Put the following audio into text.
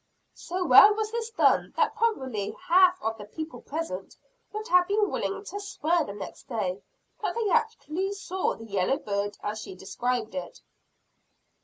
So well was this done, that probably half of the people present would have been willing to swear the next day, that they actually saw the yellow bird as she described it.